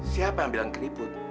siapa yang bilang keriput